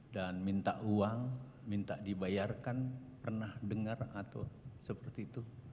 dan minta uang minta dibayarkan pernah dengar atau seperti itu